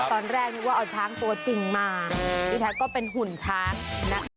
ตอนแรกนึกว่าเอาช้างตัวจริงมาดิฉันก็เป็นหุ่นช้างนะคะ